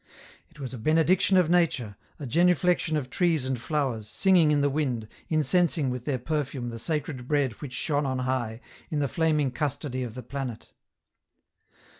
It was a Benediction of nature, a genuflection of trees and flowers, singing in the wind, incensing with their perfume the sacred Bread which shone on high, in the flaming custody of the planet.